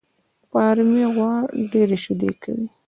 فارمي غوا ډېري شيدې کوي